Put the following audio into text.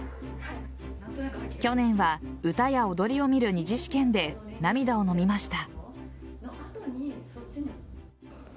去年は歌や踊りを見る２次試験で涙をのみました。